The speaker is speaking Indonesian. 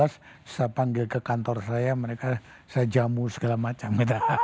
saya panggil ke kantor saya mereka saya jamu segala macam